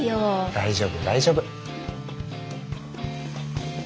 大丈夫大丈夫。